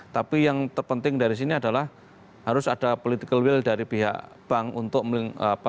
tapi yang terpenting dari sini adalah harus ada political will dari pihak bank untuk melakukan